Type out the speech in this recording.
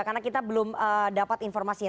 karena kita belum dapat informasinya